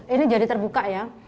ini jadi terbuka ya